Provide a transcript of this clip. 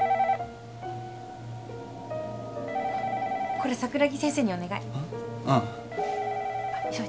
これ桜木先生にお願いあっ？